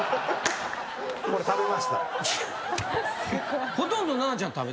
これ食べました。